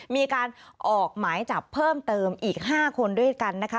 มีการออกหมายจับเพิ่มเติมอีก๕คนด้วยกันนะคะ